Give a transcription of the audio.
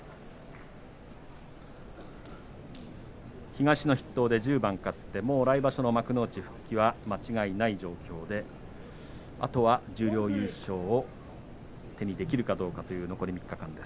東の筆頭で１０番勝ってもう来場所の幕内復帰は間違いない状況であとは十両優勝を手にできるかどうかという残り３日間。